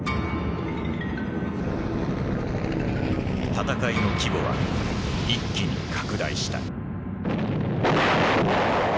戦いの規模は一気に拡大した。